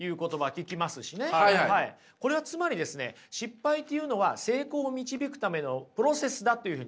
これはつまりですね失敗というのは成功を導くためのプロセスだというふうにね